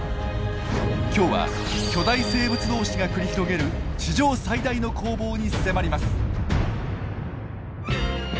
今日は巨大生物同士が繰り広げる地上最大の攻防に迫ります！